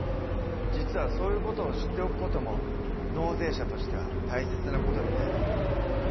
実はそういう事を知っておく事も納税者としては大切な事みたいだよ。